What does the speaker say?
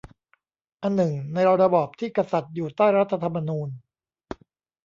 อนึ่ง ในระบอบที่กษัตริย์อยู่ใต้รัฐธรรมนูญ